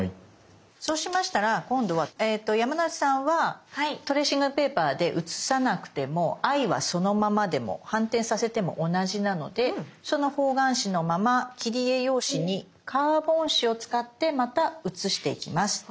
そうしましたら今度は山之内さんはトレーシングペーパーで写さなくても「Ｉ」はそのままでも反転させても同じなのでその方眼紙のまま切り絵用紙にカーボン紙を使ってまた写していきます。